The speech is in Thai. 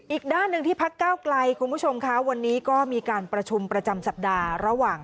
อีกด้านหนึ่งที่พักเก้าไกลคุณผู้ชมคะวันนี้ก็มีการประชุมประจำสัปดาห์ระหว่าง